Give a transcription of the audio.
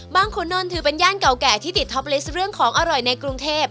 ขุนนท์ถือเป็นย่านเก่าแก่ที่ติดท็อปลิสต์เรื่องของอร่อยในกรุงเทพ